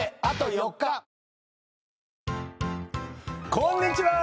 こんにちは。